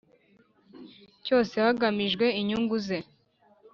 cyose hagamijwe inyungu ze